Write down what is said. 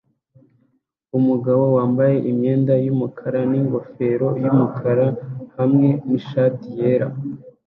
Umugabo wambaye imyenda yumukara ningofero yumukara hamwe nishati yera